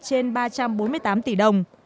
trên ba trăm bốn mươi tám tỷ đồng